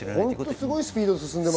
すごいスピードです。